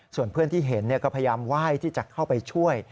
ส่วนเพื่อนที่เห็นก็พยายามไหว้ที่จะเข้าไปช่วย